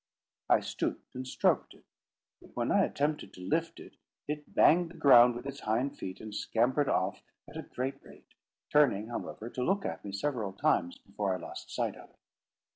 I stooped and stroked it; but when I attempted to lift it, it banged the ground with its hind feet and scampered off at a great rate, turning, however, to look at me several times before I lost sight of it.